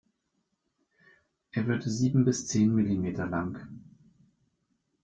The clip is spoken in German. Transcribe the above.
Er wird sieben bis zehn Millimeter lang.